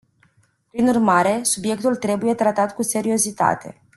Prin urmare, subiectul trebuie tratat cu seriozitate.